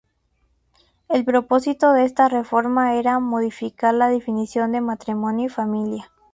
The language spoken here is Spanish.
El propósito de esta reforma era modificar la definición de matrimonio y familia.